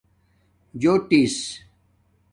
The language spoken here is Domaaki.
جݸٹس